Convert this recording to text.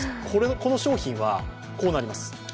この商品はこうなります。